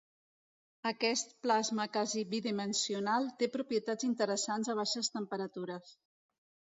Aquest plasma quasi bidimensional té propietats interessants a baixes temperatures.